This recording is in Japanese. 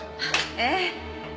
ええ。